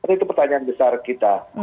itu pertanyaan besar kita